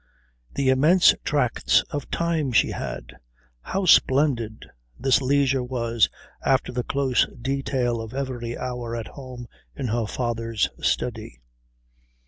The immense tracts of time she had! How splendid this leisure was after the close detail of every hour at home in her father's study.